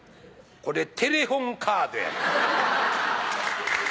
これテレホンカードや。